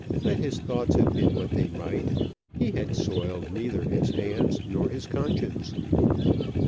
Let his thoughts have been what they might, he had soiled neither his hands nor his conscience.